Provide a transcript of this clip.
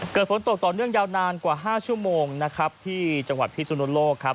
เกิดฝนตกต่อเนื่องยาวนานกว่า๕ชั่วโมงนะครับที่จังหวัดพิสุนโลกครับ